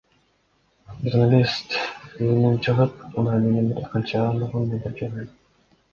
Журналист үйүнөн чыгып, унаа менен бир канча ондогон метр жүргөн.